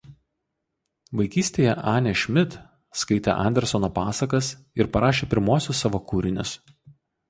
Vaikystėje Anė Šmit skaitė Anderseno pasakas ir parašė pirmuosius savo kūrinius.